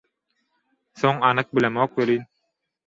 Soň anyk bilemok welin